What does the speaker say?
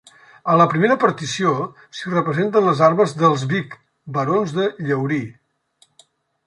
A la primera partició s'hi representen les armes dels Vic, barons de Llaurí.